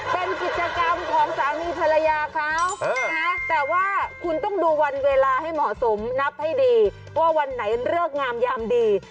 เป็นกิจกรรมของสามีภรรยาเขาแต่ว่าคุณต้องดูวันเวลาให้เหมาะสมนับให้ดีว่าวันไหนเลิกงามยามดี